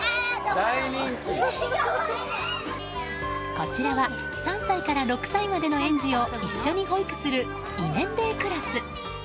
こちらは、３歳から６歳までの園児を一緒に保育する異年齢クラス。